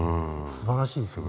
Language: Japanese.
すばらしいですよね。